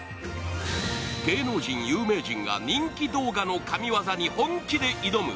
芸能人・有名人が人気動画の神業に本気で挑む。